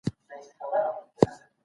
که انلاین درس وي نو وخت نه ضایع کیږي.